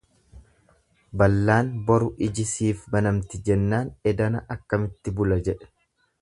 Ballaan boru iji siif banamti jennaan edana akkamitti bula jedhe.